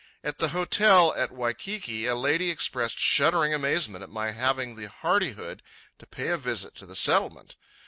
At the hotel at Waikiki a lady expressed shuddering amazement at my having the hardihood to pay a visit to the Settlement.